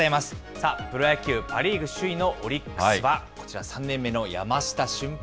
さあ、プロ野球・パ・リーグ首位のオリックスは、こちら３年目の山下舜平